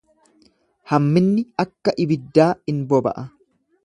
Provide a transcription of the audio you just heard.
Hamminni akka ibiddaa in boba'a.